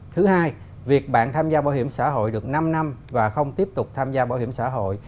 thứ hai việc bạn tham gia bảo hiểm xã hội được năm năm và không tiếp tục tham gia bảo hiểm xã hội